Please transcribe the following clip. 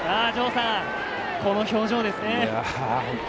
この表情ですね。